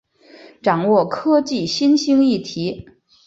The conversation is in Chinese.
掌握科技新兴议题